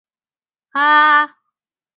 斯特恩公司的店铺被列为历史古迹。